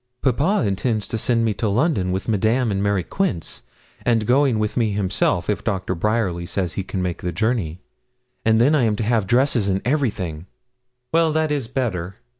'Papa intends sending me to London with Madame and Mary Quince, and going with me himself, if Doctor Bryerly says he may make the journey, and then I am to have dresses and everything.' 'Well, that is better.